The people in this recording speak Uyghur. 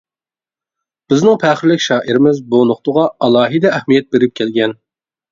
بىزنىڭ پەخىرلىك شائىرىمىز بۇ نۇقتىغا ئالاھىدە ئەھمىيەت بېرىپ كەلگەن.